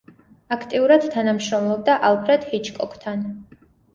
აქტიურად თანამშრომლობდა ალფრედ ჰიჩკოკთან.